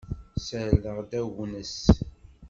Ssardeɣ-d agnes.